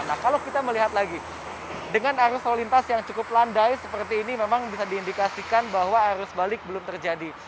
nah kalau kita melihat lagi dengan arus lalu lintas yang cukup landai seperti ini memang bisa diindikasikan bahwa arus balik belum terjadi